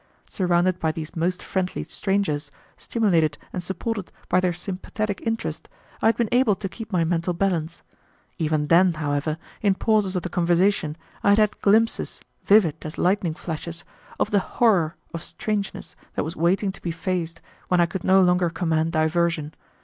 Surrounded by these most friendly strangers, stimulated and supported by their sympathetic interest, I had been able to keep my mental balance. Even then, however, in pauses of the conversation I had had glimpses, vivid as lightning flashes, of the horror of strangeness that was waiting to be faced when I could no longer command diversion.